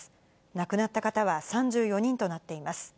亡くなった方は３４人となっています。